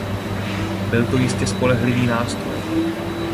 Byl by to jistě spolehlivý nástroj.